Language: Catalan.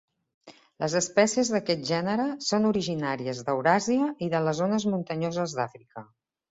Les espècies d'aquest gènere són originàries d'Euràsia i de les zones muntanyoses d'Àfrica.